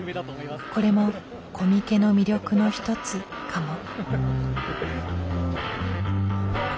これもコミケの魅力の一つかも。